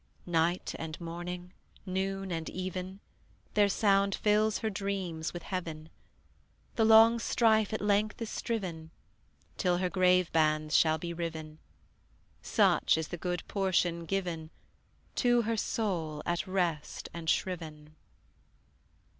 Night and morning, noon and even, Their sound fills her dreams with Heaven: The long strife at length is striven: Till her grave bands shall be riven Such is the good portion given To her soul at rest and shriven.